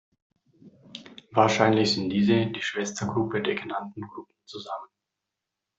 Wahrscheinlich sind diese die Schwestergruppe der genannten Gruppen zusammen.